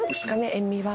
塩味は。